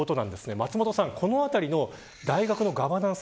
松本さん、このあたりの大学側のガバナンス